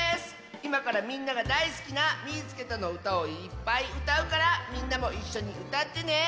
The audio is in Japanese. いまからみんながだいすきな「みいつけた！」のうたをいっぱいうたうからみんなもいっしょにうたってね！